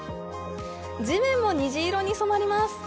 地面も虹色に染まります。